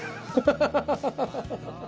ハハハハ！